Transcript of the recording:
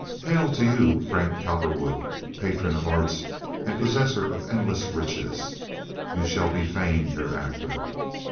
Hail to you, Frank Cowperwood, patron of arts and possessor of endless riches! You shall be famed hereafter."